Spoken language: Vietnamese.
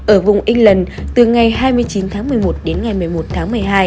ở vùng england từ ngày hai mươi chín tháng một mươi một đến ngày một mươi một tháng một mươi hai